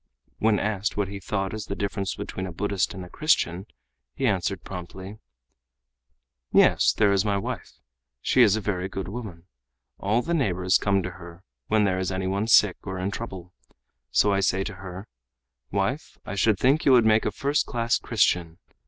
When asked what he thought as the difference between a Buddhist and a Christian, he answered promptly: "Yes, there is my wife. She is a very good woman. All the neighbors come to her, when there is any one sick or in trouble. So I say to her: 'Wife, I should think you would make a first class Christian.